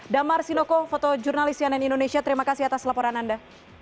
damar sinoko foto jurnalis cnn indonesia terima kasih atas laporan anda